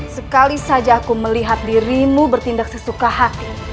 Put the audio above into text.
sekali saja aku melihat dirimu bertindak sesuka hati